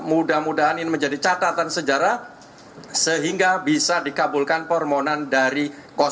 mudah mudahan ini menjadi catatan sejarah sehingga bisa dikabulkan permohonan dari